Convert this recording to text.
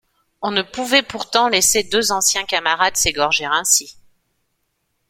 On ne pouvait pourtant laisser deux anciens camarades s’égorger ainsi.